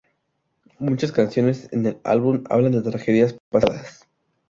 Muchas canciones en en el álbum hablan de tragedias pasadas.